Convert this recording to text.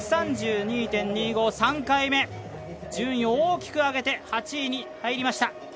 ６８．００、１３２．２５３回目順位を大きく上げて８位に入りました！